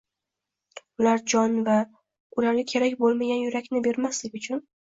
Ular jon va ularga kerak bo'lmagan yurakni bermaslik uchun.